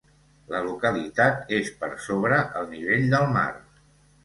La localitat és per sobre el nivell del mar.